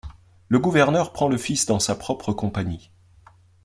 Le gouverneur prend le fils dans sa propre compagnie.